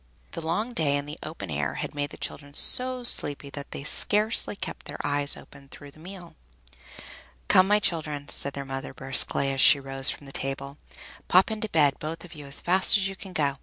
The long day in the open air had made the children so sleepy they could scarcely keep their eyes open through the meal. "Come, my children," said their mother briskly, as she rose from the table, "pop into bed, both of you, as fast as you can go.